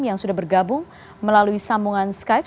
yang sudah bergabung melalui sambungan skype